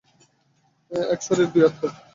এক শরীর, দুই আত্মা।